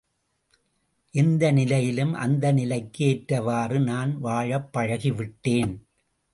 எந்த நிலையிலும் அந்த நிலைக்கு ஏற்றவாறு நான் வாழப் பழகிவிட்டேன்.